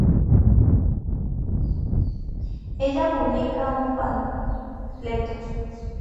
ella publica un panfleto